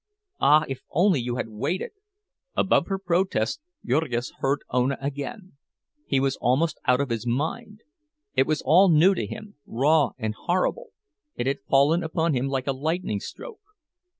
Ah, if you only had waited!" Above her protests Jurgis heard Ona again; he was almost out of his mind. It was all new to him, raw and horrible—it had fallen upon him like a lightning stroke.